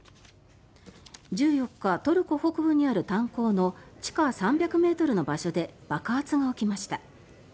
１４日、トルコ北部にある炭鉱の地下３００ｍの場所で爆発が起きました。